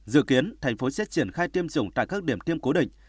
dự kiến tp hcm sẽ triển khai tiêm dùng tại các điểm tiêm cố định